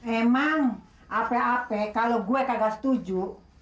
emang ape ap kalau gue kagak setuju